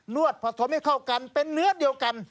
วดผสมให้เข้ากันเป็นเนื้อเดียวกัน